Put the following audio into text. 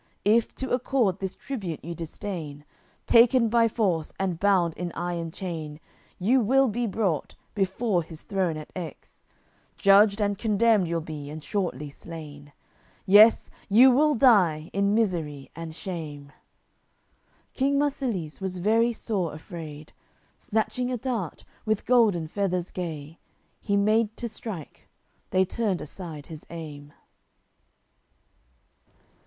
If to accord this tribute you disdain, Taken by force and bound in iron chain You will be brought before his throne at Aix; Judged and condemned you'll be, and shortly slain, Yes, you will die in misery and shame." King Marsilies was very sore afraid, Snatching a dart, with golden feathers gay, He made to strike: they turned aside his aim.